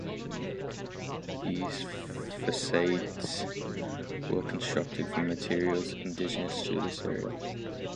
These facades were constructed from materials indigenous to this area.